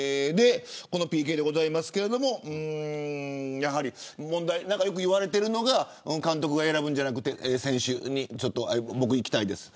このＰＫですけど、やはり問題よく言われているのが監督が選ぶんじゃなくて選手が僕いきたいですとか。